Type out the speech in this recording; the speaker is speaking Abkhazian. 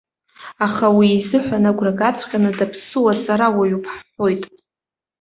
Аха уи изыҳәан агәра гаҵәҟьаны даԥсуа ҵарауаҩуп ҳҳәоит.